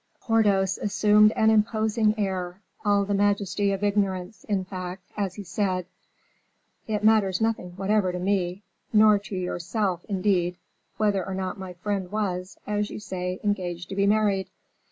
Porthos assumed an imposing air, all the majesty of ignorance, in fact, as he said: "It matters nothing whatever to me, nor to yourself, indeed, whether or not my friend was, as you say, engaged to be married.